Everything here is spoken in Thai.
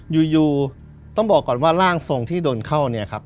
อยู่ต้องบอกก่อนว่าร่างทรงที่โดนเข้าเนี่ยครับ